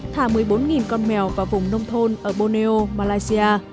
thả một mươi bốn con mèo vào vùng nông thôn ở boneo malaysia